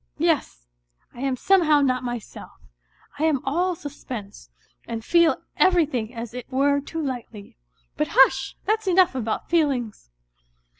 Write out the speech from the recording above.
Yes, I am somehow not myself; I am all suspense, and feel everything as it were too lightly. But hush ! that's enough about feelings.